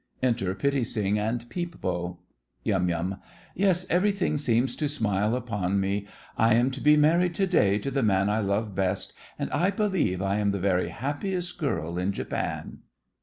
Enter Pitti Sing and Peep Bo. YUM. Yes, everything seems to smile upon me. I am to be married to day to the man I love best and I believe I am the very happiest girl in Japan!